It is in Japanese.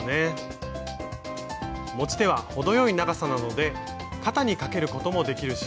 持ち手は程よい長さなので肩にかけることもできるし。